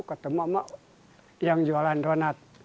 ketemu mama yang jualan donat